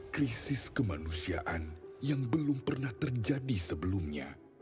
krisis kemanusiaan yang belum pernah terjadi sebelumnya